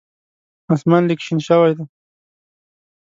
اسمان لږ شین شوی دی .